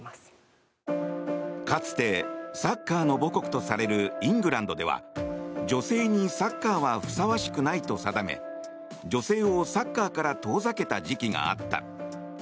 かつてサッカーの母国とされるイングランドでは女性にサッカーはふさわしくないと定め女性をサッカーから遠ざけた時期があった。